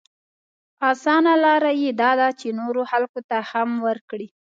اسانه لاره يې دا ده چې نورو خلکو ته هم ورکړي.